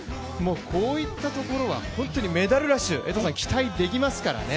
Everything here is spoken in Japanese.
こういったところは本当にメダルラッシュに期待できますからね。